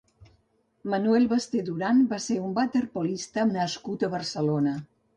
Manuel Basté Duran va ser un waterpolista nascut a Barcelona.